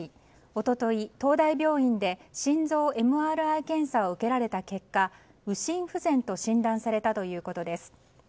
一昨日、東大病院で心臓ＭＲＩ検査を受けられた結果右心不全と診断されたということです。